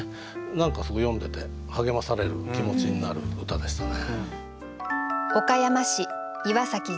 何かすごい読んでて励まされる気持ちになる歌でしたね。